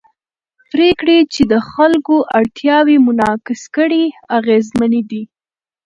پرېکړې چې د خلکو اړتیاوې منعکس کړي اغېزمنې دي